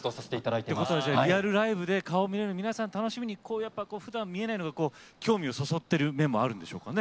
ってことはリアルライブで顔見れる皆さん楽しみにふだん見えないのが興味をそそってる面もあるんでしょうかね。